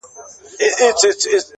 يې ه ځكه مو په شعر كي ښكلاگاني دي ـ